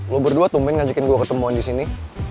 lo berdua tumben ngajakin gue ketemuan disini